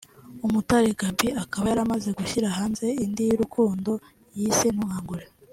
Umutare Gaby akaba yaramaze gushyira hanze indi y’urukundo yise’ Ntunkangure’